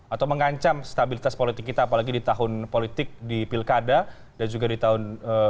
atau mengancam stabilitas politik kita apalagi di tahun politik di pilkada dan juga di tahun dua ribu dua puluh